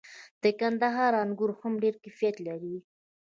د کندهار انګور هم ډیر کیفیت لري.